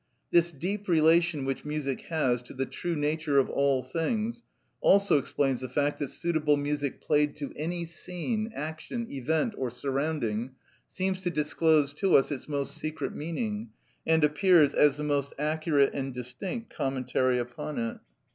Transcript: This deep relation which music has to the true nature of all things also explains the fact that suitable music played to any scene, action, event, or surrounding seems to disclose to us its most secret meaning, and appears as the most accurate and distinct commentary upon it.